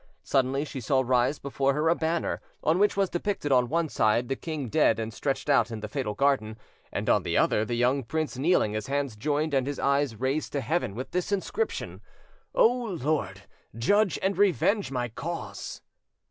Suddenly she saw rise before her a banner, on which was depicted on one side the king dead and stretched out in the fatal garden, and on the other the young prince kneeling, his hands joined and his eyes raised to heaven, with this inscription, "O Lord! judge and revenge my cause!"